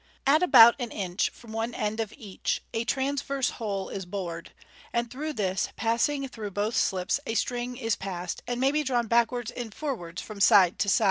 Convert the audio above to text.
At about an inch from one end of each, a transverse hole is bored, and through this, passing through both slips, a string is passed, and may be drawn backwards and forwards from side to side.